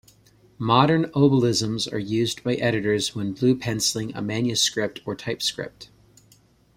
Modern obelisms are used by editors when blue-penciling a manuscript or typescript.